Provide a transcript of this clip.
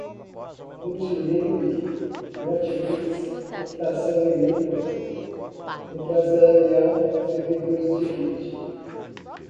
multilíngue, notebooks, computação em nuvem, empresarial, servidores de rede